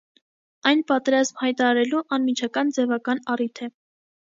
Այն պատերազմ հայտարարելու անմիջական ձևական առիթ է։